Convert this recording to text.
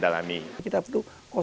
jangan berpikir pikir jangan berpikir pikir